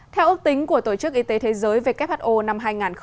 theo ước tính của tổ chức y tế thế giới who năm hai nghìn một mươi sáu